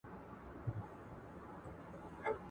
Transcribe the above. د منصوري قسمت مي څو کاڼي لا نور پاته دي